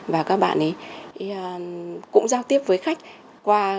và các bạn ấy cũng giao tiếp với khách qua